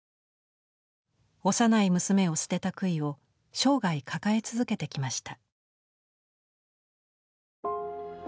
幼い娘を捨てた悔いを生涯、抱え続けてきました。